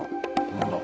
何だ？